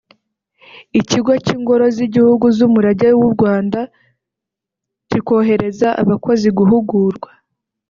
Ikigo cy’Ingoro z’Igihugu z’Umurage w’u Rwanda kikohereza abakozi guhugurwa